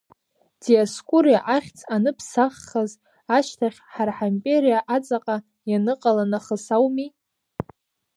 Диоскуриа ахьӡ аныԥсаххаз, ашьҭахь ҳара ҳимпериа аҵаҟа ианыҟала нахыс ауми?